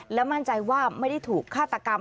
และมั่นใจว่าไม่ได้ถูกฆาตกรรม